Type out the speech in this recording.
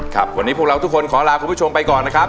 ครับวันนี้พวกเราทุกคนขอลาคุณผู้ชมไปก่อนนะครับ